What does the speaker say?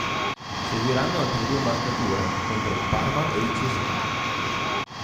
Seguiranno altre due marcature, contro il Parma e il Cesena.